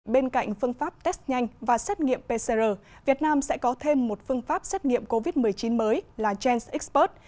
bên cạnh phương pháp test nhanh và xét nghiệm pcr việt nam sẽ có thêm một phương pháp xét nghiệm covid một mươi chín mới là genxpert